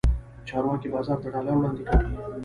چارواکي بازار ته ډالر وړاندې کوي.